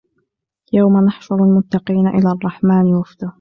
يوم نحشر المتقين إلى الرحمن وفدا